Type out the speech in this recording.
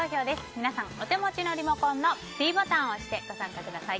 皆さん、お手持ちのリモコンのｄボタンを押して投票にご参加ください。